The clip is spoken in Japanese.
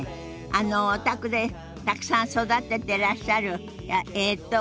あのお宅でたくさん育ててらっしゃるえっと。